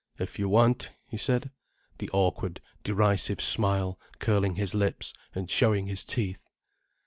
"If you want," he said, the awkward, derisive smile curling his lips and showing his teeth.